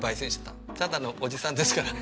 ただのおじさんですから。